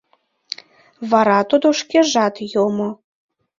Вара тудо шкежат йомо.